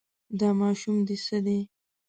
دا ماشوم دې څه دی.